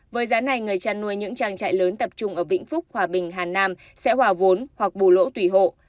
với giá này người chăn nuôi những trang trại lớn tập trung ở vĩnh phúc hòa bình hà nam sẽ hòa vốn hoặc bù lỗ tùy hộ